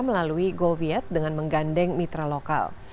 melalui goviet dengan menggandeng mitra lokal